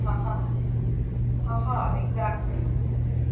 ha!' 'Ha! ha! exactly.'